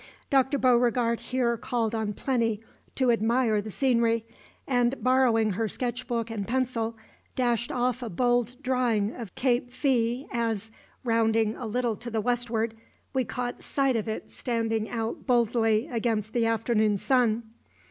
Dr. Beauregard here called on Plinny to admire the scenery, and, borrowing her sketchbook and pencil, dashed off a bold drawing of Cape Fea as, rounding a little to the westward, we caught sight of it standing out boldly against the afternoon sun.